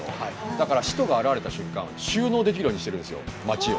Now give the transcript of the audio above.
だから「使徒」が現れた瞬間収納できるようにしてるんですよ街を。